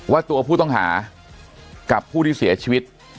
ว่าตัวผู้ต้องหากับผู้ที่เสียชีวิต